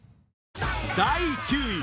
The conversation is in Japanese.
第９位！